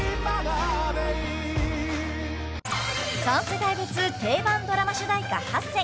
［３世代別定番ドラマ主題歌８選］